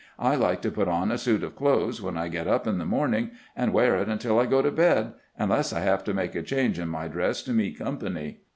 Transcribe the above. I like to put on a suit of clothes when I get up in the morning, and wear it until I go to bed, unless I have to make a change in my dress to meet company.